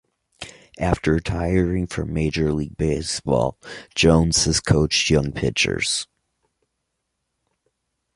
After retiring from Major League Baseball, Jones has coached young pitchers.